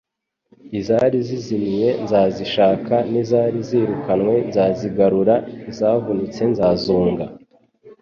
"Izari zizimiye nzazishaka n'izari zirukanywe nzazigarura izavunitse nzazunga,